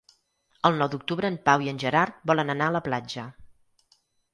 El nou d'octubre en Pau i en Gerard volen anar a la platja.